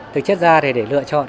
thực chất ra để lựa chọn